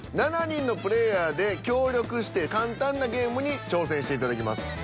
７人のプレイヤーで協力して簡単なゲームに挑戦していただきます。